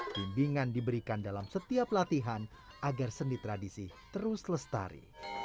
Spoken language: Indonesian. bimbingan diberikan dalam setiap latihan agar seni tradisi terus lestari